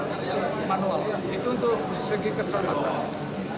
itu yang manual itu untuk segi keselamatan